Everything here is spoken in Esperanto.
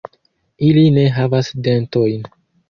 Ili ne havas dentojn.